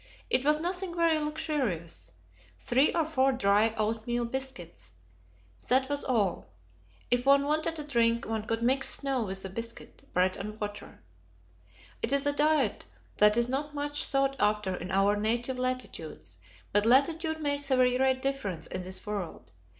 It was nothing very luxurious three or four dry oatmeal biscuits, that was all. If one wanted a drink, one could mix snow with the biscuit "bread and water." It is a diet that is not much sought after in our native latitudes, but latitude makes a very great difference in this world.